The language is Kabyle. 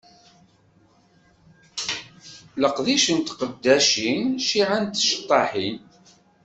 Leqdic n tqeddacin cciεa n tceṭṭaḥin.